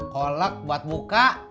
kolek buat buka